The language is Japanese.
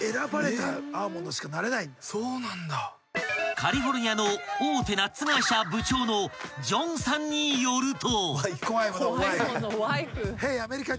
［カリフォルニアの大手ナッツ会社部長のジョンさんによると］